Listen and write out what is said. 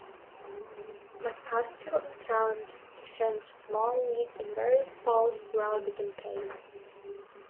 McCaskill and Talent exchanged small leads in various polls throughout the campaign.